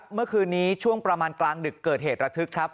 เมื่อคืนนี้ช่วงประมาณกลางดึกเกิดเหตุระทึกครับ